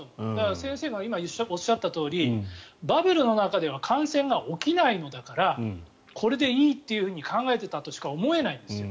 先生が今、おっしゃったようにバブルの中では感染が起きないのだからこれでいいと考えていたとしか思えないんです。